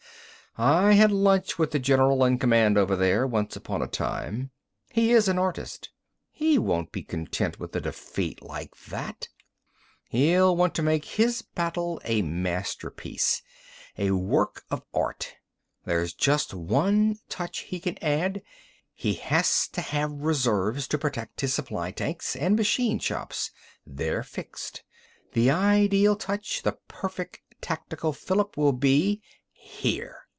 "I had lunch with the general in command over there, once upon a time. He is an artist. He won't be content with a defeat like that! He'll want to make his battle a masterpiece, a work of art! There's just one touch he can add. He has to have reserves to protect his supply tanks and machine shops. They're fixed. The ideal touch, the perfect tactical fillip, will be—Here!